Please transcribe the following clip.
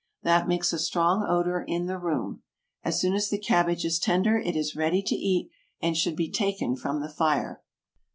That makes a strong odor in the room. As soon as the cabbage is tender it is ready to eat, and should be taken from the fire.